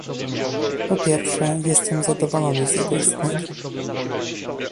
Po pierwsze, jestem zadowolony z jego istnienia